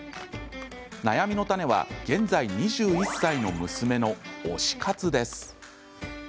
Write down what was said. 悩みの種は現在２１歳の娘の推し活です。